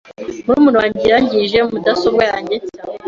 Murumuna wanjye yangije mudasobwa yanjye nshya .